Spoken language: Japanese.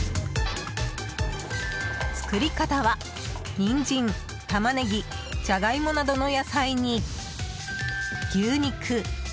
作り方はニンジン、タマネギジャガイモなどの野菜に牛肉。